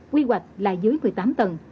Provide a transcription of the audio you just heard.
quy hoạch là dưới một mươi tám tầng